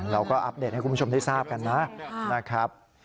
เราก็อัปเดตให้คุณผู้ชมได้ทราบกันนะ